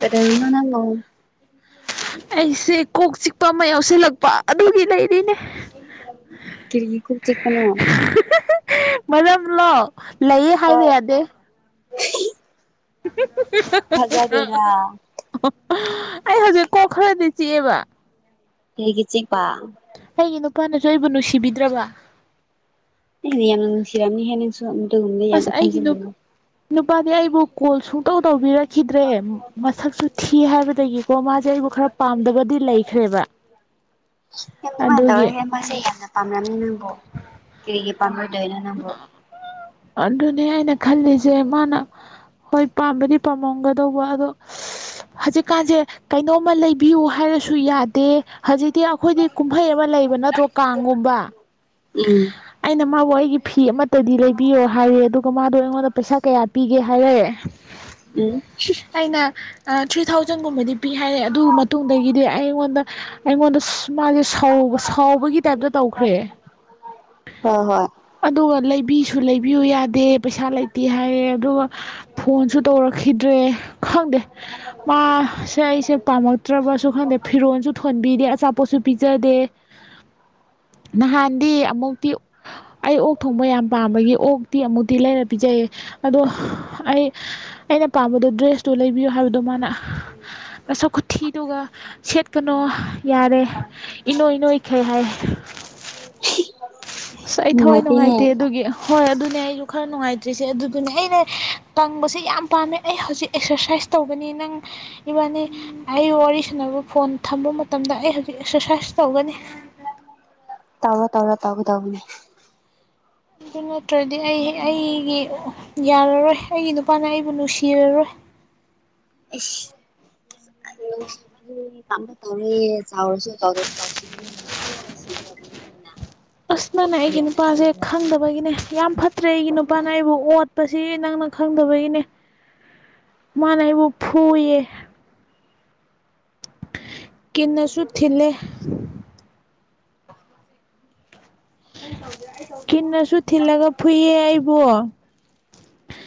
ꯀꯗꯅꯣꯅ ꯂ ꯑꯩꯁꯦ ꯀꯣꯛ ꯆꯤꯛꯄ ꯑꯃ ꯌꯥꯎꯁꯤꯜꯂꯛꯄ ꯑꯗꯨꯒꯤ ꯂꯩꯔꯤꯅꯦ ꯀꯔꯤꯒꯤ ꯀꯣꯛ ꯆꯤꯛꯄꯅꯣ? ꯃꯔꯝꯂꯣ ꯂꯩꯌꯦ ꯍꯥꯏꯕ ꯌꯥꯗꯦ꯫ ꯊꯥꯖꯥꯗꯦꯗ ꯑꯩ ꯍꯧꯖꯤꯛ ꯀꯣꯛ ꯈꯔꯗꯤ ꯆꯤꯛꯑꯦꯕ ꯀ꯭ꯔꯤꯒꯤ ꯆꯤꯛꯄ ꯑꯩꯒꯤ ꯅꯨꯄꯥꯅꯁꯨ ꯑꯩꯕꯨ ꯅꯨꯁꯤꯕꯤꯗ꯭ꯔꯕ ꯑꯩꯅ ꯌꯥꯝꯅ ꯅꯨꯡꯁꯤꯔꯝꯅꯤꯍꯦ ꯅꯪꯁꯨ ꯑꯗꯨꯒꯨꯝꯗ ꯌꯥꯝ ꯑꯁ ꯑꯩꯒꯤ ꯅꯨ ꯈꯟꯖꯜꯂꯅꯨ ꯅꯨꯄꯥꯗꯤ ꯑꯩꯕꯨ ꯀꯣꯜ ꯁꯨꯡꯇꯧ ꯇꯧꯕꯤꯔꯛꯈꯤꯗ꯭ꯔꯦ ꯃꯁꯛꯁꯨ ꯊꯤ ꯍꯥꯏꯕꯗꯒꯤꯀꯣ ꯃꯥꯖꯦ ꯑꯩꯕꯨ ꯈꯔ ꯄꯥꯝꯗꯕꯗꯤ ꯂꯩꯈ꯭ꯔꯦꯕ [inaudible] ꯌꯥꯝ ꯗꯨꯃꯥꯏꯅ ꯑꯗꯨꯒꯤ ꯇꯧꯔꯣꯏꯍꯦ ꯃꯥꯁꯦ ꯌꯥꯝꯅ ꯄꯥꯝꯔꯝꯅꯤ ꯅꯪꯕꯣ ꯀꯔꯤꯒꯤ ꯄꯥꯝꯔꯣꯏꯗꯣꯏꯅꯣ ꯅꯪꯕꯨ? ꯑꯗꯨꯅꯦ ꯑꯩꯅ ꯈꯜꯂꯤꯁꯦ ꯃꯥꯅ ꯍꯣꯏ ꯄꯥꯝꯕꯗꯤ ꯄꯥꯝꯃꯝꯒꯗꯧꯕ ꯑꯗꯣ ꯍꯧꯖꯤꯛꯀꯥꯟꯁꯦ ꯀꯩꯅꯣꯝꯃ ꯂꯩꯕꯤꯌꯨ ꯍꯥꯏꯔꯁꯨ ꯌꯥꯗꯦ ꯍꯧꯖꯤꯛꯇꯤ ꯑꯩꯈꯣꯏꯗꯤ ꯀꯨꯝꯍꯩ ꯑꯃ ꯂꯩꯕ ꯅꯠꯇ꯭ꯔꯣ ꯀꯥꯡꯒꯨꯝꯕ ꯎꯝ ꯑꯩꯅ ꯃꯥꯕꯨ ꯑꯩꯒꯤ ꯐꯤ ꯑꯃꯠꯇꯗꯤ ꯂꯩꯕꯤꯌꯣ ꯍꯥꯏꯔꯦ ꯑꯗꯨꯒ ꯃꯥꯗꯣ ꯑꯩꯉꯣꯟꯗ ꯄꯩꯁꯥ ꯀꯌꯥ ꯄꯤꯒꯦ ꯐꯔꯦ ꯎꯝ ꯑꯩꯅ ꯊ꯭ꯔꯤ ꯊꯥꯎꯖꯟꯒꯨꯝꯕꯗꯤ ꯄꯤ ꯍꯥꯏꯔꯦ ꯑꯗꯨ ꯃꯇꯨꯡꯗꯒꯤꯗꯤ ꯑꯩꯉꯣꯟꯗ ꯑꯩꯉꯣꯟꯗ ꯃꯥꯁꯦ ꯁꯥꯎꯕꯒꯤ ꯇꯥꯏꯞꯇ ꯇꯧꯈ꯭ꯔꯦ ꯍꯣꯏ ꯍꯣꯏ ꯑꯗꯨꯒ ꯂꯩꯕꯤꯁꯨ ꯂꯩꯕꯤꯌꯨ ꯌꯥꯗꯦ ꯄꯩꯁꯥ ꯂꯩꯇꯦ ꯍꯥꯏꯌꯦ ꯑꯗꯨꯒ ꯐꯣꯟꯁꯨ ꯇꯧꯔꯛꯈꯤꯗ꯭ꯔꯦ ꯈꯪꯗꯦ ꯃꯥ ꯁꯦ ꯑꯩꯁꯦ ꯄꯥꯝꯃꯛꯇ꯭ꯔꯕꯁꯨ ꯈꯪꯗꯦ ꯐꯤꯔꯣꯜꯁꯨ ꯊꯣꯟꯕꯤꯗꯦ ꯑꯆꯥꯄꯣꯠꯁꯨ ꯄꯤꯖꯗꯦ [inaudible] ꯅꯍꯥꯟꯗꯤ ꯑꯃꯨꯛꯇꯤ ꯑꯩ ꯑꯣꯛ ꯊꯣꯡꯕ ꯌꯥꯝ ꯄꯥꯝꯕꯒꯤ ꯑꯣꯛꯇꯤ ꯑꯃꯨꯛꯇꯤ ꯂꯩꯔ ꯄꯤꯖꯩꯌꯦ ꯑꯗꯣ ꯑꯩ ꯑꯩꯅ ꯄꯥꯝꯕꯗꯣ ꯗ꯭ꯔꯦꯁꯇꯨ ꯂꯩꯕꯤꯌꯨ ꯍꯥꯏꯕꯗꯣ ꯃꯥꯅ ꯅꯁꯛ ꯈꯨꯊꯤꯗꯨꯒ ꯁꯦꯠꯀꯅꯣ ꯌꯥꯔꯦ ꯏꯅꯣꯏ ꯏꯅꯣꯏꯈꯩ ꯍꯥꯏ ꯑꯁ ꯑꯩ ꯊꯋꯥꯏ ꯅꯨꯡꯉꯥꯏꯇꯦꯍꯦ ꯅꯨꯡꯉꯥꯏꯇꯦ ꯑꯗꯨꯒꯤ ꯍꯣꯏ ꯑꯗꯨꯅꯦ ꯑꯩꯁꯨ ꯈꯔ ꯅꯨꯡꯉꯥꯏꯇ꯭ꯔꯤꯁꯦ ꯑꯗꯨꯗꯨꯅꯦ ꯑꯩꯅ ꯇꯪꯕꯁꯦ ꯌꯥꯝ ꯄꯥꯝꯃꯦ ꯑꯩ ꯍꯧꯖꯤꯛ ꯑꯦꯛꯁꯔꯁꯥꯏꯁ ꯇꯧꯕꯅꯦ ꯅꯪ ꯏꯕꯥꯅꯤ ꯑꯩ ꯋꯥꯔꯤ ꯁꯥꯟꯅꯕ ꯐꯣꯟ ꯊꯝꯕ ꯃꯇꯝꯗ ꯑꯩ ꯍꯧꯖꯤꯛ ꯑꯦꯛꯁꯔꯁꯥꯏꯁ ꯇꯧꯒꯅꯤ ꯇꯑꯣ ꯇꯧ ꯇꯧ ꯇꯧꯅꯦ ꯑꯗꯨ ꯅꯠꯇ꯭ꯔꯗꯤ ꯑꯩ ꯑꯩꯒꯤ ꯌꯥꯔꯔꯣꯏ ꯑꯩꯒꯤ ꯅꯨꯄꯥꯅ ꯑꯩꯕꯨ ꯅꯨꯡꯁꯤꯔꯔꯣꯏ ꯑꯁ [unintelligible] ꯑꯗꯨꯝ ꯅꯨꯡꯁꯤꯒꯗꯕꯅꯦ ꯃꯤꯅ ꯑꯁ ꯅꯪꯅꯦ ꯋꯥꯈꯜ ꯑꯩꯒꯤ ꯌꯥꯝꯅ ꯅꯨꯄꯥꯁꯦ ꯈꯟꯖꯤꯜꯂꯗꯤ ꯈꯪꯗꯕꯒꯤꯅꯦ ꯌꯥꯝ ꯐꯠꯇ ꯅꯠꯇ꯭ꯔꯦ ꯑꯩꯒꯤ ꯅꯨꯄꯥꯅ ꯑꯩꯕꯨ ꯑꯣꯠꯄꯁꯤ ꯅꯪꯅ ꯈꯪꯗꯕꯒꯤꯅꯦ ꯃꯥꯅ ꯑꯩꯕꯨ ꯐꯨꯏꯌꯦ ꯀꯤꯟꯅꯁꯨ ꯊꯤꯜꯂꯦ ꯀꯤꯟꯅꯁꯨ ꯊꯤꯜꯂꯒ ꯐꯨꯏꯌꯦ ꯑꯩꯕꯨ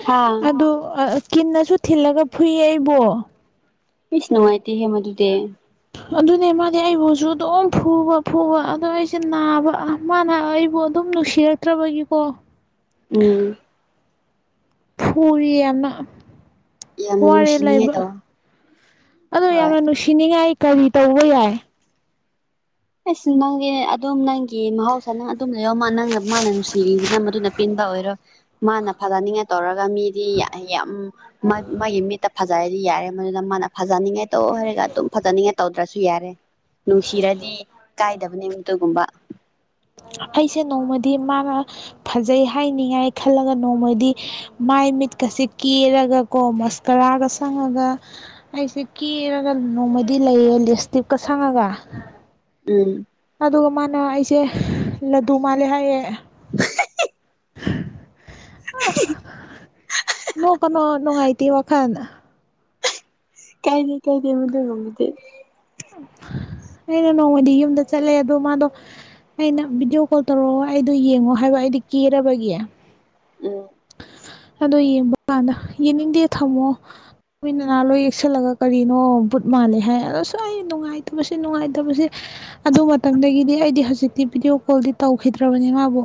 ꯍꯥ ꯑꯗꯨ ꯑ ꯀꯤꯟꯅꯁꯨ ꯊꯤꯜꯂꯒ ꯐꯨꯏꯌꯦ ꯑꯩꯕꯣ ꯏꯁ ꯅꯨꯡꯉꯥꯏꯇꯦꯍꯦ ꯃꯗꯨꯗꯤ ꯑꯗꯨꯅꯦ ꯃꯥꯗꯤ ꯑꯩꯕꯨꯁꯨ ꯑꯗꯨꯝ ꯐꯨꯕ ꯐꯨꯕ ꯑꯗꯣ ꯑꯩꯁꯦ ꯅꯥꯕ ꯃꯥꯅ ꯑꯩꯕꯨ ꯑꯗꯨꯝ ꯅꯨꯡꯁꯤꯔꯛꯇ꯭ꯔꯕꯒꯤꯀꯣ ꯎꯝ ꯐꯨꯔꯤ ꯑꯃꯅ ꯌꯥꯝꯅ ꯋꯥꯔꯦ ꯅꯨꯡꯁꯤꯅꯤꯡꯉꯥꯏ ꯂꯩꯕ ꯇꯧ ꯑꯗꯣ ꯍꯣꯏ ꯌꯥꯝꯅ ꯅꯨꯡꯁꯤꯅꯤꯡꯉꯥꯏ ꯀꯔꯤ ꯇꯧꯕ ꯌꯥꯏ ꯑꯁ ꯅꯪꯒꯤ ꯑꯗꯨꯝ ꯅꯪꯒꯤ ꯃꯍꯧꯁꯥ ꯅꯪ ꯑꯗꯨꯝ ꯂꯩꯌꯣ ꯃꯥ ꯅꯪꯅ ꯃꯥꯅ ꯅꯨꯡꯁꯤꯔꯤꯗꯨꯅ ꯃꯗꯨꯅ ꯄꯦꯟꯕ ꯑꯣꯏꯔꯣ ꯃꯥꯅ ꯐꯖꯅꯤꯡꯉꯥꯏ ꯇꯧꯔꯒ ꯃꯤꯗꯤ ꯌꯥꯝ ꯃꯥꯒꯤ ꯃꯤꯠꯇ ꯐꯖ ꯐꯖꯩ ꯍꯥꯏꯗꯤ ꯌꯥꯔꯦ ꯃꯗꯨꯗ ꯃꯥꯅ ꯐꯖꯅꯤꯡꯉꯥꯏ ꯇꯧ ꯍꯥꯏꯔꯒ ꯑꯗꯨꯝ ꯐꯖꯅꯤꯡꯉꯥꯏ ꯇꯧꯗ꯭ꯔꯁꯨ ꯌꯥꯔꯦ ꯅꯨꯡꯁꯤꯔꯗꯤ ꯀꯥꯏꯗꯕꯅꯦ ꯑꯃꯨꯛꯇꯒꯨꯝꯕ ꯑꯩꯁꯦ ꯅꯣꯡꯃꯗꯤ ꯃꯥꯅ ꯐꯖꯩ ꯍꯥꯏꯅꯤꯡꯉꯥꯏ ꯈꯜꯂꯒ ꯅꯣꯡꯃꯗꯤ ꯃꯥꯏ ꯃꯤꯠꯀꯁꯤ ꯀꯦꯔꯒ ꯀꯣ ꯃꯁꯀꯔꯥꯒ ꯁꯪꯉꯒ ꯑꯩꯁꯦ ꯀꯦꯔꯒ ꯅꯣꯡꯃꯗꯤ ꯂꯩꯌꯦ ꯂꯤꯁꯇꯤꯞꯀ ꯁꯪꯉꯒ ꯎꯝ ꯑꯗꯨꯒ ꯃꯥꯅ ꯑꯩꯁꯦ ꯂꯗꯨ ꯃꯥꯜꯂꯦ ꯍꯥꯏꯌꯦ ꯑ ꯅ ꯀꯩꯅꯣ ꯅꯨꯡꯉꯥꯏꯇ ꯋꯥꯈꯜ ꯀꯥꯏꯅꯦ ꯀꯥꯏꯗ ꯃꯗ ꯃꯪꯗꯤ ꯑꯩꯅ ꯅꯣꯡꯃꯗꯤ ꯌꯨꯝꯗ ꯆꯠꯂꯦ ꯑꯗꯣ ꯃꯥꯗꯣ ꯑꯩꯅ ꯚꯤꯗꯤꯑꯣ ꯀꯣꯜ ꯇꯧꯔꯛꯑꯣ ꯑꯩꯗꯣ ꯌꯦꯡꯉꯣ ꯍꯥꯏꯕ ꯑꯩꯗꯤ ꯀꯦꯔꯕꯒꯦ ꯎꯝ ꯑꯗꯣ ꯌꯦꯡꯕ ꯀꯥꯟꯗ ꯌꯦꯅꯤꯡꯗꯦ ꯊꯝꯃꯣ ꯃꯃꯤ ꯅꯅꯥ ꯂꯣꯏ ꯌꯦꯛꯁꯜꯂꯒ ꯀꯔꯤꯅꯣ ꯕꯨꯠ ꯃꯥꯜꯂꯦ ꯍꯥꯏ ꯑꯗꯣꯁꯨ ꯑꯩ ꯅꯨꯡꯉꯥꯏꯇꯕꯁꯤ ꯅꯨꯡꯉꯥꯏꯇꯕꯁꯤ ꯑꯗꯨ ꯃꯇꯝꯗꯒꯤꯗꯤ ꯑꯩꯗꯤ ꯍꯧꯖꯤꯛꯇꯤ ꯚꯤꯗꯤꯑꯣ ꯀꯣꯜꯗꯤ ꯇꯧꯈꯤꯗ꯭ꯔꯕꯅꯦ ꯃꯥꯕꯨ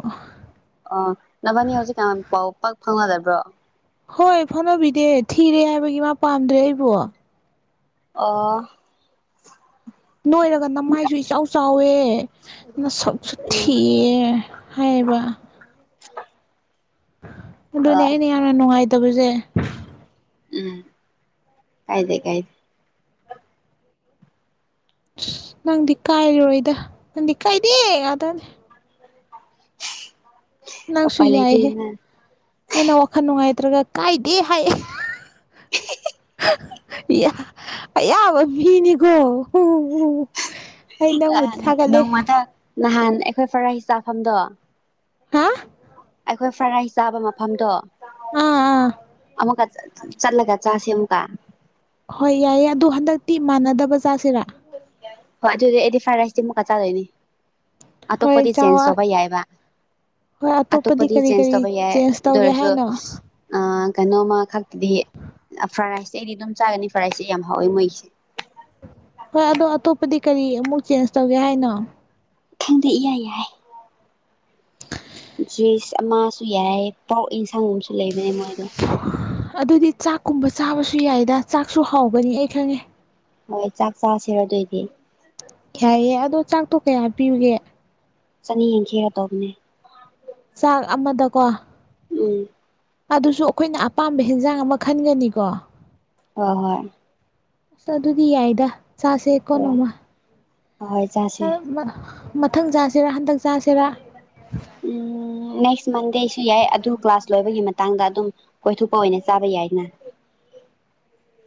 ꯑꯣ ꯅꯚꯅꯤ ꯍꯧꯖꯤꯛ ꯀꯌꯥꯝ ꯄꯥꯎ ꯄꯥꯛ ꯐꯪꯅꯗꯕ꯭ꯔꯣ ꯍꯣꯏ ꯐꯥꯎꯅꯕꯤꯗꯦ ꯊꯤꯔꯦ ꯍꯥꯏꯕꯒꯤ ꯃꯥ ꯄꯥꯝꯗ꯭ꯔꯦ ꯑꯩꯕꯣ ꯑꯣ ꯅꯣꯏꯔꯒ ꯅꯃꯥꯏꯁꯨ ꯏꯆꯥꯎ ꯆꯥꯎꯋꯦ ꯅ ꯁꯛꯁꯨ ꯎꯝ ꯊꯤꯑ ꯍꯥꯏꯌꯦꯕ ꯑꯗꯨꯅꯦ ꯍꯣꯏ ꯑꯩꯅ ꯌꯥꯝꯅ ꯅꯨꯡꯉꯥꯏꯇꯕꯁꯦ ꯎꯝ ꯀꯥꯏꯗꯦ ꯀꯥꯏꯗꯦ ꯅꯪꯗꯤ ꯀꯥꯏꯔꯔꯣꯏꯗ ꯅꯪꯗꯤ ꯀꯥꯏꯗꯦ ꯉꯥꯛꯇꯅꯦ꯫ ꯅꯪꯁꯨ ꯎꯄꯥꯏ ꯌꯥꯏꯍꯦ ꯂꯩꯇꯦꯅ ꯑꯩꯅ ꯋꯥꯈꯜ ꯅꯨꯡꯉꯥꯏꯇ꯭ꯔꯒ ꯀꯥꯏꯗꯦ ꯍꯥꯏꯑ ꯑꯌꯥꯕ ꯃꯤꯅꯤꯀꯣ ꯑꯣ ꯀꯩ ꯅꯪ ꯃꯗ ꯍꯥꯏꯒꯂꯦ ꯅꯣꯡꯃꯗ ꯅꯍꯥꯟ ꯑꯩꯈꯣꯏ ꯐꯥꯔ ꯔꯥꯏꯁ ꯆꯥꯐꯝꯗꯣ ꯍꯥꯥ ꯑꯩꯈꯣꯏ ꯐ꯭ꯔꯥꯏꯠ ꯔꯥꯏꯁ ꯆꯥꯕ ꯃꯐꯝꯗꯣ ꯑꯥ ꯑꯥ ꯑꯃꯨꯛꯀ ꯆꯠ ꯆꯠꯂꯒ ꯆꯥꯁꯦ ꯑꯃꯨꯛꯀ ꯍꯣꯏ ꯌꯥꯏꯌꯦ ꯑꯗꯨ ꯍꯟꯗꯛꯇꯤ ꯃꯥꯟꯅꯗꯕ ꯆꯥꯁꯤꯔ ꯍꯣꯏ ꯑꯗꯨꯗꯤ ꯑꯩꯗꯤ ꯐ꯭ꯔꯥꯏ ꯔꯥꯏꯁꯇꯤ ꯃꯨꯛꯀ ꯆꯥꯗꯣꯏꯅꯤ꯫ ꯍꯣꯏ ꯑꯇꯣꯞꯄꯗꯤ ꯆꯦꯟꯖ ꯆꯥꯎ ꯇꯧꯕ ꯌꯥꯏꯕ ꯍꯣꯏ ꯑꯇꯣꯞꯄꯗꯤ ꯀꯔꯤ ꯆꯦꯟꯖ ꯀꯔꯤ ꯇꯧꯕ ꯌꯥꯏ ꯆꯦꯟꯖ ꯑꯗꯨ ꯇꯧꯒꯦ ꯑꯣꯏꯔꯁꯨ ꯍꯥꯏꯅꯣ ꯑ ꯀꯩꯅꯣꯝꯃ ꯈꯛꯇꯗꯤ ꯐ꯭ꯔꯥꯏ ꯔꯥꯏꯁꯇꯤ ꯑꯩꯗꯤ ꯑꯗꯨꯝ ꯆꯥꯒꯅꯤ ꯐ꯭ꯔꯥꯏ ꯔꯥꯏꯁꯁꯤ ꯌꯥꯝ ꯍꯥꯎꯋꯦ ꯃꯣꯏꯒꯤꯁꯦ ꯍꯣꯏ ꯑꯗꯣ ꯑꯇꯣꯞꯄꯗꯤ ꯀꯔꯤ ꯑꯃꯨꯛ ꯆꯦꯟꯖ ꯇꯧꯒꯦ ꯍꯥꯏꯅꯣ ꯈꯪꯗ ꯏ ꯌꯥꯏ ꯌꯥꯏ ꯖꯨꯏꯁ ꯑꯃꯁꯨ ꯌꯥꯏ ꯄꯣꯔ꯭ꯛ ꯏꯟꯁꯥꯡꯒꯨꯝꯁꯨ ꯂꯩꯕꯅꯦ ꯃꯣꯏꯗꯣ꯫ ꯑꯗꯨꯗꯤ ꯆꯥꯛꯀꯨꯝꯕ ꯆꯥꯕꯁꯨ ꯌꯥꯏꯗ ꯆꯥꯛꯁꯨ ꯍꯥꯎꯕꯅꯤ ꯑꯩ ꯈꯪꯉꯦ꯫ ꯍꯣꯏ ꯆꯥꯛ ꯆꯥꯁꯤꯔ ꯑꯗꯨꯣꯏꯗꯤ ꯌꯥꯏꯌꯦꯦ ꯑꯗꯣ ꯆꯥꯛꯇꯣ ꯀꯌꯥ ꯄꯤꯌꯨꯒꯦ ꯆꯅꯤ ꯌꯦꯡꯈꯤꯔ ꯇꯧꯕꯅꯦ ꯆꯥꯛ ꯑꯃꯗꯀꯣ ꯎꯝ ꯑꯗꯨꯁꯨ ꯑꯩꯈꯣꯏꯅ ꯑꯄꯥꯝꯕ ꯍꯤꯟꯖꯥꯡ ꯑꯃ ꯈꯟꯒꯅꯤꯀꯣ ꯍꯣꯏ ꯍꯣꯏ ꯑꯁ ꯑꯗꯨꯗꯤ ꯌꯥꯏꯗ ꯆꯥꯁꯦ ꯀꯣ ꯅꯣꯡꯃ ꯍꯍꯣꯏ ꯆꯥ ꯃꯊꯪ ꯆꯥꯁꯤꯔꯥ ꯍꯟꯗꯛ ꯆꯥꯁꯤꯔꯥ ꯎꯝ ꯅꯦꯛꯁ ꯃꯟꯗꯦꯁꯨ ꯌꯥꯏ ꯑꯗꯨ ꯀ꯭ꯂꯥꯁ ꯂꯣꯏꯕꯒꯤ ꯃꯇꯥꯡꯗ ꯑꯗꯨꯝ ꯀꯣꯏꯊꯣꯛꯄ ꯑꯣꯏꯅ ꯆꯥꯕ ꯌꯥꯏꯅ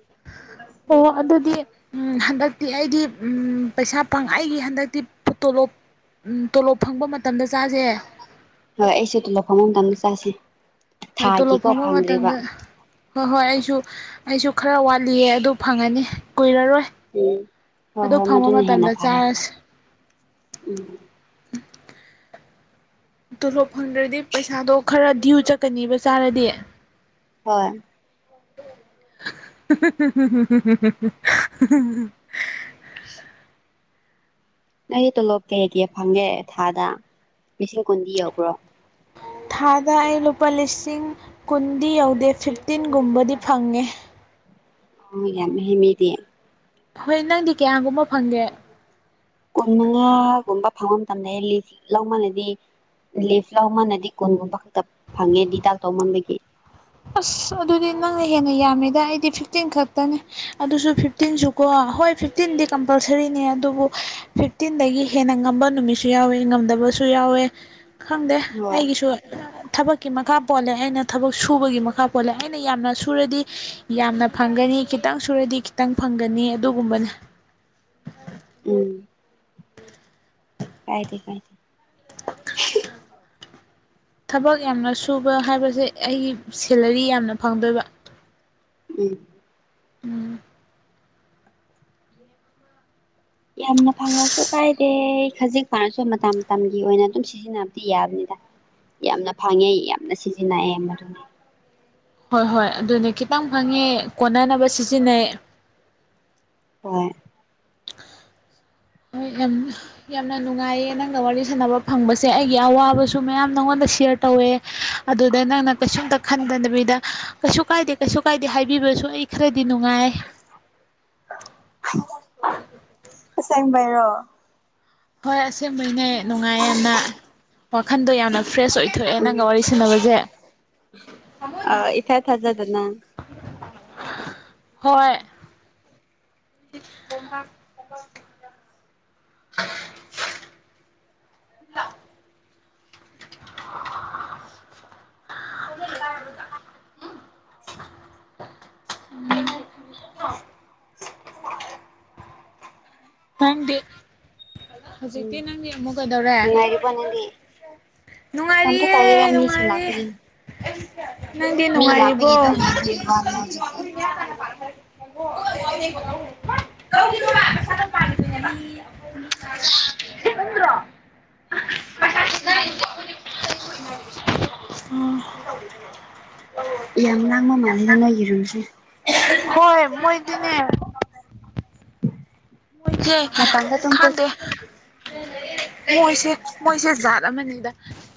[unintelligible] ꯑꯣ ꯑꯗꯨꯗꯤ ꯎꯝ ꯍꯟꯗꯛꯇꯤ ꯑꯩꯗꯤ ꯎꯝ ꯄꯩꯁꯥ ꯄꯪꯉꯥꯏꯒꯤ ꯍꯟꯗꯛꯇꯤ ꯇꯣꯂꯣꯞ ꯎꯝ ꯇꯣꯂꯣꯞ ꯐꯪꯕ ꯃꯇꯝꯗ ꯆꯥꯁꯦ ꯍꯣꯏ ꯑꯩꯁꯦ ꯇꯣꯂꯣꯞ ꯐꯪꯕ ꯃꯇꯝꯗ ꯆꯥꯁꯤ ꯍꯣꯏ ꯇꯣꯂꯣꯞ ꯊꯥꯒꯤꯀꯣ ꯐꯪꯕ ꯐꯪꯗ꯭ꯔꯤꯕ꯫ ꯃꯇꯝꯗ ꯍꯣꯏ ꯍꯣꯏ ꯑꯩꯁꯨ ꯑꯩꯁꯨ ꯈꯔ ꯋꯥꯠꯂꯤꯌꯦ ꯑꯗꯨ ꯐꯪꯉꯅꯤ ꯀꯨꯏꯔꯔꯣꯏ ꯎꯝ ꯍꯣꯏ ꯑꯗꯨ ꯍꯣꯏ ꯐꯪꯕ ꯃꯗꯨꯅ ꯍꯦꯟꯅ ꯃꯇꯝꯗ ꯐꯔꯦ ꯆꯥꯔꯁ ꯎꯝ ꯇꯣꯂꯣꯞ ꯐꯪꯗ꯭ꯔꯗꯤ ꯄꯩꯁꯥꯗꯣ ꯈꯔ ꯗ꯭ꯌꯨ ꯆꯠꯀꯅꯦꯕ ꯆꯥꯔꯗꯤ ꯍꯣꯏ [unintelligible] ꯑꯁ ꯅ ꯇꯣꯂꯣꯞ ꯀꯩ ꯀꯩ ꯀꯩ ꯐꯪꯒꯦ ꯊꯥꯗ ꯂꯤꯁꯤꯡ ꯀꯨꯟꯗꯤ ꯌꯧꯕ꯭ꯔꯣ ꯊꯥꯗ ꯑꯩ ꯂꯨꯄꯥ ꯂꯤꯁꯤꯡ ꯀꯨꯟꯗꯤ ꯌꯧꯗꯦ ꯐꯤꯐꯇꯤꯟꯒꯨꯝꯕꯗꯤ ꯐꯪꯉꯦ ꯎ ꯌꯥꯝ ꯍꯦꯃꯦꯗꯤ ꯍꯣꯏ ꯅꯪꯗꯤ ꯀꯌꯥꯒꯨꯝꯕ ꯐꯪꯒꯦ ꯀꯨꯟ ꯃꯉꯥꯒꯨꯝꯕ ꯐꯪꯕ ꯃꯇꯝꯗ ꯂꯧꯃꯅꯗꯤ ꯂꯤꯐ ꯂꯃꯅꯗꯤ ꯀꯨꯟꯒꯨꯝꯕ ꯈꯛꯇ ꯐꯪꯉꯦꯗꯤ ꯗꯥꯛꯇꯧꯃꯟꯕꯒꯤ ꯑꯁ ꯑꯗꯨꯗꯤ ꯅꯪꯅ ꯍꯦꯟꯅ ꯌꯥꯝꯃꯤꯗ ꯑꯩꯗꯤ ꯐꯤꯐꯇꯤꯟ ꯈꯛꯇꯅꯦ ꯑꯗꯨꯁꯨ ꯐꯤ ꯇꯤꯟꯁꯨꯀꯣ ꯍꯣꯏ ꯐꯤꯐꯇꯤꯟꯗꯤ ꯀꯝꯄꯜꯁꯔꯤꯅꯦ ꯑꯗꯨꯕꯨ ꯐꯤꯐꯇꯤꯟꯗꯒꯤ ꯍꯦꯟꯅ ꯉꯝꯕ ꯅꯨꯃꯤꯠꯁꯨ ꯌꯥꯎꯋꯦ ꯉꯝꯗꯕꯁꯨ ꯌꯥꯎꯋꯦ ꯈꯪꯗꯦ ꯍꯣꯏ ꯑꯩꯒꯤꯁꯨ ꯊꯕꯛꯀꯤ ꯃꯈꯥ ꯄꯣꯜꯂꯦ ꯑꯩꯅ ꯊꯕꯛ ꯁꯨꯕꯒꯤ ꯃꯈꯥ ꯄꯣꯜꯂꯦ ꯑꯩꯅ ꯌꯥꯝꯅ ꯁꯨꯔꯗꯤ ꯌꯥꯝꯅ ꯐꯪꯒꯅꯤ ꯈꯤꯇꯪ ꯁꯨꯔꯗꯤ ꯈꯤꯇꯪ ꯐꯪꯒꯅꯤ ꯑꯗꯨꯒꯨꯝꯕꯅꯦ ꯎꯝ ꯀꯥꯏꯗꯦ ꯀꯥꯏꯗꯦ ꯊꯕꯛ ꯌꯥꯝꯅ ꯁꯨꯕ ꯍꯥꯏꯕꯁꯦ ꯑꯩꯒꯤ ꯁꯦꯂꯔꯤ ꯌꯥꯝꯅ ꯐꯪꯗꯣꯏꯕ ꯎꯝ ꯎꯝ ꯌꯥꯝꯅ ꯐꯪꯉꯁꯨ ꯀꯥꯏꯗꯦ ꯈꯖꯤꯛ ꯐꯪꯉꯁꯨ ꯃꯇꯝ ꯃꯇꯝꯒꯤ ꯑꯣꯏꯅ ꯑꯗꯨꯝ ꯁꯤ ꯁꯤꯖꯤꯟꯅꯕꯗꯤ ꯌꯥꯕꯅꯤꯗ ꯌꯥꯝꯅ ꯐꯪꯉꯦ ꯌꯥꯝꯅ ꯁꯤꯖꯤꯟꯅꯑꯦ ꯃꯔꯝꯗꯤ ꯍꯣꯏ ꯍꯣꯏ ꯑꯗꯨꯅꯦ ꯈꯤꯇꯪ ꯈꯪꯉꯦ ꯀꯣꯟꯅꯅꯕ ꯁꯤꯖꯤꯟꯅꯩ ꯑꯣ ꯍꯥꯏꯒꯝꯅꯦ ꯌꯥꯝꯅ ꯅꯨꯡꯉꯥꯏꯌꯦ ꯅꯪꯅ ꯋꯥꯔꯤ ꯁꯥꯟꯅꯕ ꯐꯪꯕꯁꯦ ꯑꯩꯒꯤ ꯑꯋꯥꯕꯁꯨ ꯃꯌꯥꯝ ꯅꯪꯉꯣꯟꯗ ꯁꯤꯌꯔ ꯇꯧꯋꯦ ꯑꯗꯨꯗ ꯅꯪꯅ ꯀꯩꯁꯨꯝꯇ ꯈꯟꯗꯗꯕꯤꯗ ꯀꯩꯁꯨ ꯀꯥꯏꯗꯦ ꯀꯩ ꯀꯥꯏꯗꯦ ꯍꯥꯏꯕꯤꯕꯁꯨ ꯑꯩ ꯈꯔꯗꯤ ꯅꯨꯡꯉꯥꯏ ꯑꯁꯦꯡꯕꯥꯏꯔꯣ ꯍꯣꯏ ꯑꯁꯦꯡꯕꯩꯅꯦ ꯅꯨꯡꯉꯥꯏ ꯌꯥꯝꯅ ꯋꯥꯈꯟꯗꯣ ꯌꯥꯝꯅ ꯐ꯭ꯔꯦꯁ ꯑꯣꯏꯊꯣꯛꯑꯦ ꯅꯪꯒ ꯎꯝ ꯋꯥꯔꯤ ꯁꯥꯟꯅꯕꯁꯦ ꯑ ꯏꯊꯦ ꯊꯖꯗꯅ ꯍꯣꯏ ꯍ [unintelligible] [inaudible] [inaudible] ꯅꯪꯗꯤ ꯍꯧꯖꯤꯛꯇꯤ ꯎꯝ ꯅꯪꯗꯤ ꯑꯃꯨꯛꯀꯗꯧꯔꯦ ꯅꯨꯡꯉꯥꯏꯔꯤꯕꯣ ꯅꯪꯗꯤ ꯀꯝꯇ ꯅꯨꯡꯉꯥꯏꯔꯤꯑꯦ ꯇꯧꯗꯦꯗ ꯃꯤꯁꯤꯡ ꯅꯨꯡꯉꯥꯏꯔꯤꯌꯦ ꯂꯥꯛꯄꯒꯤ ꯅꯪꯗꯤ ꯃꯤ ꯅꯨꯡꯉꯥꯏꯔꯤꯕꯣ ꯂꯥꯛꯄꯒꯤ ꯑꯗꯨꯝ ꯌꯦꯡꯕꯒꯤ ꯋꯥꯅꯤ ꯍꯧꯖꯤꯛꯇꯤ [unintelligible] [inaudible] [inaudible] ꯎꯝ ꯌꯥꯝ ꯂꯥꯡꯕ ꯃꯥꯜꯂꯦꯗ ꯅꯣꯏꯒꯤ ꯔꯨꯝꯁꯤ ꯍꯣꯏ ꯃꯣꯏꯗꯤꯅꯦ ꯃꫭꯏꯁꯦ ꯃꯄꯥꯟꯗ ꯑꯗꯨꯝ ꯀꯣꯏ ꯈꯥꯟꯗꯦ ꯃꯣꯏꯁꯦ ꯃꯣꯏꯁꯦ ꯖꯥꯠ ꯑꯃꯅꯤꯗ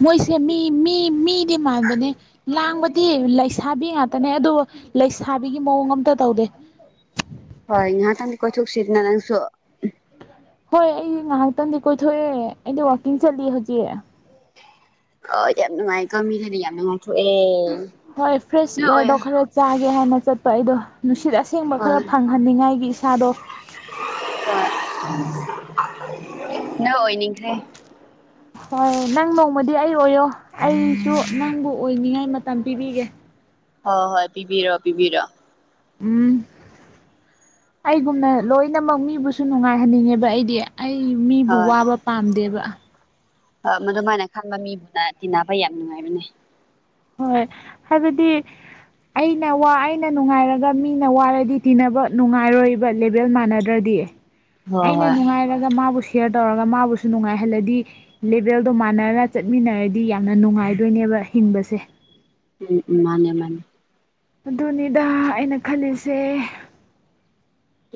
ꯃꯣꯏꯁꯦ ꯃꯤ ꯃꯤ ꯃꯤꯗꯤ ꯃꯥꯟꯕꯅꯦ ꯂꯥꯡꯕꯗꯤ ꯂꯩꯁꯥꯕꯤ ꯉꯥꯛꯇꯅꯦ ꯑꯗꯨ ꯂꯩꯁꯥꯕꯤꯒꯤ ꯃꯑꯣꯡ ꯑꯝꯇ ꯇꯧꯗꯦ ꯍꯣꯏ ꯏꯍꯥꯛ ꯇꯗꯤ ꯀꯣꯏꯊ ꯁꯤꯠꯅꯅꯥꯁꯨ ꯍꯣꯏ ꯑꯩ ꯉꯥꯏꯍꯥꯛꯇꯪꯗꯤ ꯀꯣꯏꯊꯣꯛꯑꯦ ꯑꯩꯗꯤ ꯋꯥꯋꯥꯛꯀꯤꯡ ꯆꯠꯂꯤ ꯍꯧꯖꯤꯛ ꯑ ꯌꯥꯝ ꯅꯨꯡꯉꯥꯏ ꯀꯥꯃꯤꯗꯗꯤ ꯌꯥꯝ ꯅꯨꯡꯉꯥꯎꯊꯣꯛꯑꯦ ꯍꯣꯏ ꯐ꯭ꯔꯦꯁ ꯅꯥꯛꯑꯣꯏ ꯏꯌꯥꯔꯗꯣ ꯈꯔ ꯆꯥꯒꯦ ꯍꯥꯏꯅ ꯆꯠꯄ ꯑꯩꯗꯣ ꯅꯨꯡꯁꯤꯠ ꯑꯁꯦꯡꯕ ꯈꯔ ꯐꯪꯍꯟꯅꯤꯡꯉꯥꯏꯒꯤ ꯏꯁꯥꯗꯣ ꯑ ꯅꯪ ꯑꯣꯏꯅꯤꯡꯈ꯭ꯔꯦ ꯍꯣꯏ ꯅꯪ ꯅꯣꯡꯃꯗꯤ ꯑꯩ ꯑꯣꯏꯌꯣ ꯑꯩꯁꯨ ꯅꯪꯕꯨ ꯑꯣꯏꯅꯤꯡꯉꯥꯏ ꯃꯇꯝ ꯄꯤꯕꯤꯒꯦ ꯍꯣꯏ ꯍꯣꯏ ꯄꯤꯕꯤꯔꯣꯑꯣ ꯄꯤꯕꯤꯔꯣꯑꯣ ꯎꯝ ꯑꯩꯒꯨꯝꯅ ꯂꯣꯏꯅꯃꯛ ꯃꯤꯕꯨꯁꯨ ꯅꯨꯡꯉꯥꯏꯍꯟꯅꯤꯡꯉꯦꯕ ꯑꯩꯗꯤ ꯑꯩ ꯃꯤꯕꯨ ꯋꯥꯕ ꯄꯥꯝꯗꯦꯕ ꯃ ꯑꯗꯨꯃꯥꯏꯅ ꯈꯟꯕ ꯃꯤꯕꯨꯅ ꯇꯤꯟꯅꯕ ꯌꯥꯝ ꯅꯨꯡꯉꯥꯏꯕꯅꯦ꯫ ꯍꯣꯏ ꯍꯥꯏꯕꯗꯤ ꯑꯩꯅ ꯋꯥ ꯑꯩꯅ ꯅꯨꯡꯉꯥꯏꯔꯒ ꯃꯤꯅ ꯋꯥꯔꯗꯤ ꯇꯤꯟꯅꯕ ꯅꯨꯡꯉꯥꯏꯔꯣꯏꯕ ꯂꯦꯕꯦꯜ ꯃꯥꯟꯅꯗꯦ ꯗ꯭ꯔꯗꯤ ꯍꯣꯏ ꯑꯩꯅ ꯍꯣꯏ ꯅꯨꯡꯉꯥꯏꯔꯒ ꯃꯥꯕꯨ ꯁꯌꯔ ꯇꯧꯔꯒ ꯃꯥꯕꯨꯁꯨ ꯅꯨꯡꯉꯥꯏꯍꯜꯂꯗꯤ ꯂꯦꯚꯦꯜꯗꯣ ꯃꯥꯟꯅꯔꯒ ꯆꯠꯃꯤꯟꯅꯔꯗꯤ ꯌꯥꯝꯅ ꯅꯨꯡꯉꯥꯏꯗꯣꯏꯅꯦꯕ ꯍꯤꯡꯕꯁꯦ꯫ ꯎꯝ ꯃꯥꯅꯦ ꯃꯥꯅꯦ꯫ ꯑꯗꯨꯅꯤꯗ ꯑꯩꯅ ꯈꯜꯂꯤꯁꯦ꯫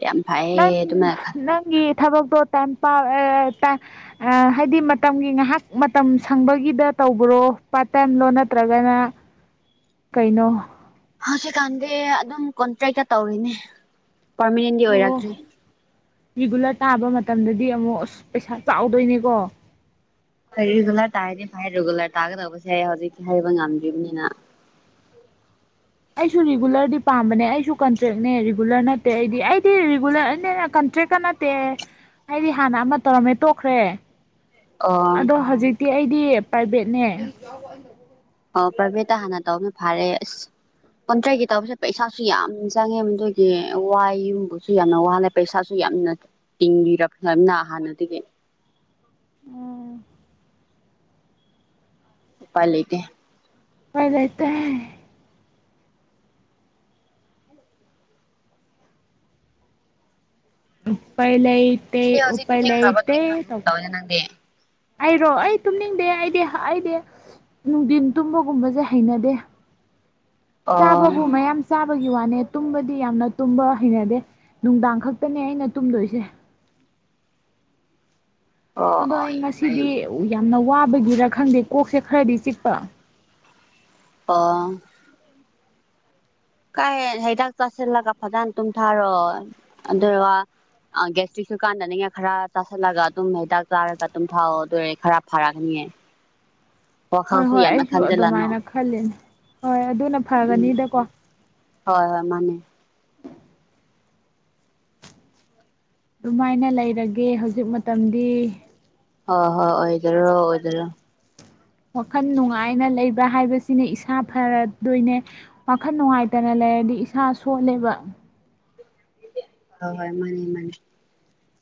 ꯌꯥꯝꯝ ꯅꯪ ꯐꯥꯏꯌꯦ ꯇꯨꯃꯥ ꯈꯟ ꯅꯪꯒꯤ ꯊꯕꯛꯇꯣ ꯇꯄꯥꯛ ꯑꯥ ꯑ ꯍꯥꯏꯗꯤ ꯃꯇꯝꯒꯤ ꯉꯥꯏꯍꯥꯛ ꯃꯇꯝ ꯁꯪꯕꯒꯤꯗ ꯇꯧꯕꯔꯣ ꯄꯥꯔꯠ ꯇꯥꯏꯝꯂꯣ ꯅꯠꯇ꯭ꯔꯒꯅ ꯀꯩꯅꯣ ꯍꯧꯖꯤꯛꯀꯥꯟꯗꯤ ꯑꯗꯨꯝ ꯀꯣꯟꯇ꯭ꯔꯦꯛꯇ ꯇꯧꯔꯤꯅꯦ ꯄꯥꯔꯃꯤꯅꯦꯟꯒꯤ ꯑꯣ ꯑꯣꯏꯔꯛꯇ꯭ꯔꯤ꯫ ꯔꯤꯒꯨꯂꯔ ꯇꯥꯕ ꯃꯇꯝꯗꯗꯤ ꯑꯃꯨꯛ ꯑꯁ ꯄꯩꯁꯥ ꯆꯥꯎꯗꯣꯏꯅꯦꯀꯣ ꯍꯣꯏ ꯔꯤꯒꯨꯂꯔ ꯇꯥꯔꯗꯤ ꯐꯥꯏ ꯔꯤꯒꯨꯂꯔ ꯇꯥꯒꯗꯧꯕꯁꯦ ꯍꯧꯖꯤꯛꯤ ꯍꯥꯏꯕ ꯉꯝꯗ꯭ꯔꯤꯕꯅꯤꯅ ꯑꯩꯁꯨ ꯔꯤꯒꯨꯂꯔꯗꯤ ꯄꯥꯝꯕꯅꯦ ꯑꯩꯁꯨ ꯀꯟꯇ꯭ꯔꯦꯛꯅꯦ ꯔꯤꯒꯨꯂꯔ ꯅꯠꯇꯦ ꯑꯩꯗꯤ ꯑꯩꯗꯤ ꯔꯤꯒꯨꯂꯔ ꯀꯟꯇ꯭ꯔꯦꯛꯀ ꯅꯠꯇꯦ꯫ ꯇꯦ ꯑꯩꯗꯤ ꯍꯥꯟꯅ ꯑꯃ ꯇꯧꯔꯝꯃꯦ ꯇꯣꯛꯈ꯭ꯔꯦ꯫ ꯑꯣ ꯑꯗꯣ ꯍꯧꯖꯤꯛꯇꯤ ꯑꯩꯗꯤ ꯄ꯭ꯔꯥꯏꯚꯦꯠꯅꯦ꯫ ꯑꯣ ꯄ꯭ꯔꯕꯤꯦꯠꯇ ꯍꯥꯟꯅ ꯇꯧꯅ ꯐꯥꯔꯦ ꯑꯁ ꯀꯨꯟꯇ꯭ꯔꯦꯒꯤ ꯇꯧꯕꯁꯦ ꯄꯩꯁꯥꯁꯨ ꯌꯥꯝ ꯆꯪꯉꯦ ꯃꯗꯨꯒꯤ ꯋꯥꯏꯒꯨꯝꯕꯁꯨ ꯌꯥꯝꯅ ꯋꯥꯠꯂꯦ꯫ ꯄꯩꯁꯥꯁꯨ ꯌꯥꯝꯅ ꯇꯤꯡꯉꯤꯔ ꯐꯝꯅ ꯍꯥꯟꯅꯗꯒꯤ꯫ ꯎꯝ ꯎꯄꯥꯏ ꯂꯩꯇꯦ꯫ ꯎꯄꯥꯏ ꯂꯩꯇꯦ꯫ ꯎꯄꯥꯏ ꯂꯩꯇꯤ ꯅꯪꯗꯤ ꯍꯧꯖꯤꯛ ꯎꯄꯥꯏ ꯇꯨꯝꯅꯤꯡꯈ꯭ꯔꯕ ꯂꯩꯇꯤ꯫ ꯇꯨꯝꯅꯤꯡꯈꯤꯕꯒꯨꯝ ꯇꯧꯋꯦꯅ ꯅꯪꯗꯤ ꯑꯩꯔꯣ ꯑꯩ ꯇꯨꯝꯅꯤꯡꯗꯦ ꯑꯩꯗꯤ ꯑꯩꯗꯤ ꯅꯨꯡꯗꯤꯟ ꯇꯨꯝꯕꯒꯨꯝꯕꯁꯦ ꯍꯩꯅꯗꯦ꯫ ꯑꯣ ꯆꯥꯕꯕꯨ ꯃꯌꯥꯝ ꯆꯥꯕꯒꯤ ꯋꯥꯅꯦ ꯇꯨꯝꯕꯗꯤ ꯌꯥꯝꯅ ꯇꯨꯝꯕ ꯍꯩꯅꯗꯦ ꯅꯨꯡꯗꯥꯡ ꯈꯛꯇꯅꯦ ꯑꯩꯅ ꯇꯨꯝꯗꯣꯏꯁꯦ꯫ ꯑꯣ ꯑꯗꯣ ꯑꯣ ꯌꯥꯝ ꯑꯩ ꯐꯩ ꯉꯁꯤꯗꯤ ꯌꯥꯝ ꯐꯩ ꯌꯥꯝꯅ ꯋꯥꯕꯒꯤꯔꯥ ꯈꯪꯗꯦ ꯀꯣꯛꯁꯦ ꯈꯔꯗꯤ ꯆꯤꯛꯄ ꯑꯥ ꯀꯥꯏ ꯍꯤꯗꯥꯛ ꯆꯥꯁꯤꯜꯂꯒ ꯐꯖꯅ ꯇꯨꯝꯊꯥꯔꯑꯣ ꯑꯗꯨꯒ ꯒꯦꯁꯇ꯭ꯔꯤꯛꯁꯨ ꯀꯥꯟꯗꯅꯦꯅꯦ ꯈꯔ ꯆꯥꯥꯁꯜꯂꯒ ꯑꯗꯨꯝ ꯍꯤꯗꯥꯛ ꯆꯥꯔꯒ ꯑꯗꯨꯝ ꯊꯥꯎ ꯑꯗꯨꯔꯦ ꯈꯔ ꯐꯔꯛꯒꯅꯤꯌꯦ꯫ ꯋꯥ ꯈꯥꯎꯁꯨ ꯌꯥꯝꯅ ꯈꯟꯖꯜꯂꯅꯣ ꯈꯜꯂꯦꯅꯦ ꯍꯣꯏ ꯑꯗꯨꯅ ꯐꯒꯅꯤꯗꯀꯣ ꯍꯣꯏ ꯍꯣꯏ ꯃꯥꯅꯦ꯫ ꯑꯗꯨꯃꯥꯏꯅ ꯂꯩꯔꯒꯦ ꯍꯧꯖꯤꯛ ꯃꯇꯝꯗꯤ ꯍꯣꯏ ꯍꯣꯏ ꯑꯣꯏꯖꯔꯣ ꯑꯣꯏꯖꯔꯣ ꯋꯥꯈꯜ ꯅꯨꯡꯉꯥꯏꯅ ꯂꯩꯕ ꯍꯥꯏꯕꯁꯤꯅ ꯏꯁꯥ ꯐꯔꯗꯣꯏꯅꯦ꯫ ꯋꯥꯈꯜ ꯅꯨꯡꯉꯥꯏꯇꯅ ꯂꯩꯔꯗꯤ ꯏꯁꯥ ꯁꯣꯜꯂꯦꯕ꯫ ꯍꯣꯏ ꯍꯣꯏ ꯃꯥꯅꯤ ꯃꯥꯅꯤ꯫